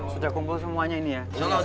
sudah kumpul semuanya ini ya